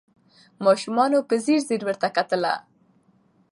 ماشومانو په ځیر ځیر ورته کتله